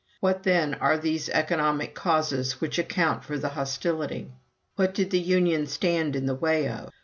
What then are these economic causes which account for the hostility? "What did the union stand in the way of?